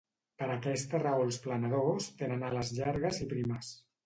Per aquesta raó els planadors tenen ales llargues i primes.